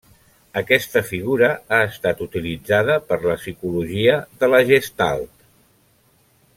Aquesta figura ha estat utilitzada per la Psicologia de la Gestalt.